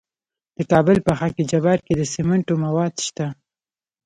د کابل په خاک جبار کې د سمنټو مواد شته.